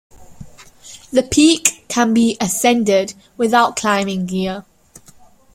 The peak can be ascended without climbing gear.